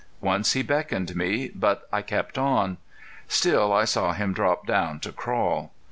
Once he beckoned me, but I kept on. Still I saw him drop down to crawl.